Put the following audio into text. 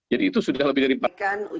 jadi itu sudah lebih dari empat